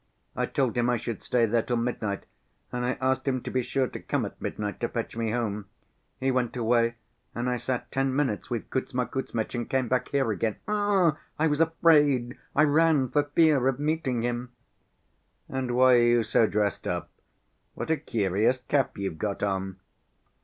I told him I should stay there till midnight, and I asked him to be sure to come at midnight to fetch me home. He went away and I sat ten minutes with Kuzma Kuzmitch and came back here again. Ugh, I was afraid, I ran for fear of meeting him." "And why are you so dressed up? What a curious cap you've got on!"